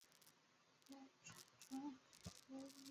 但是到时候你努力到死